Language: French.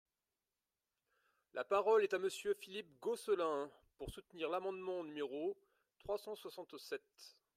La parole est à Monsieur Philippe Gosselin, pour soutenir l’amendement numéro trois cent soixante-sept.